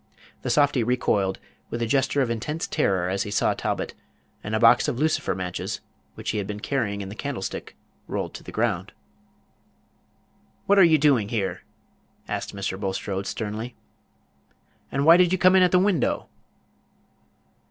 The softy recoiled, with a gesture of intense terror, as he saw Talbot; and a box of lucifer matches, which he had been carrying in the candlestick, rolled to the ground. "What are you doing here?" asked Mr. Bulstrode, sternly; "and why did you come in at the window?"